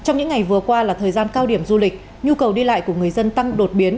trong những ngày vừa qua là thời gian cao điểm du lịch nhu cầu đi lại của người dân tăng đột biến